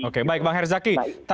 oke baik bang herzaki